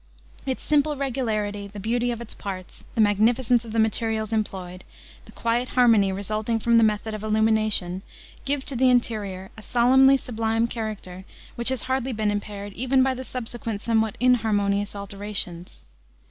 Its simple regularity, the beauty of its parts, the magnificence of the materials employed, the quiet harmony resulting from the method of illumi nation, give to the interior a solemnly sublime character, which has hardly been impaired, even by the subsequent somewhat inharmonious alterations.